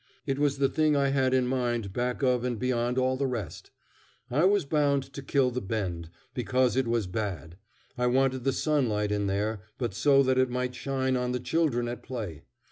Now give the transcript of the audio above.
It was the thing I had in mind back of and beyond all the rest. I was bound to kill the Bend, because it was bad. I wanted the sunlight in there, but so that it might shine on the children at play.